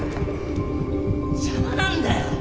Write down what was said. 邪魔なんだよ！